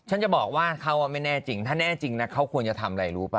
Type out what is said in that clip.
จะบอกว่าเขาไม่แน่จริงถ้าแน่จริงนะเขาควรจะทำอะไรรู้ป่